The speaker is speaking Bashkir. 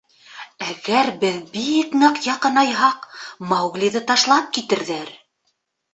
Әгәр беҙ бик ныҡ яҡынайһаҡ, Мауглиҙы ташлап китерҙәр.